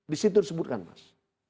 di situ disebutkan mas